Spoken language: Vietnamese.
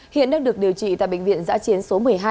hiện đang được điều trị tại bệnh viện giã chiến số một mươi hai